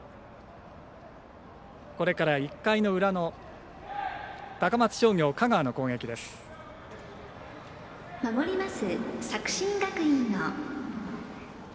これから１回の裏の高松商業、香川の攻撃です。